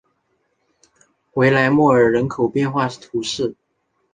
维莱莫尔人口变化图示